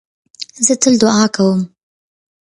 زه تل دؤعا کوم.